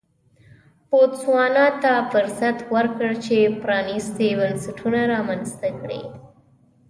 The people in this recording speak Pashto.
بوتسوانا ته فرصت ورکړ چې پرانیستي بنسټونه رامنځته کړي.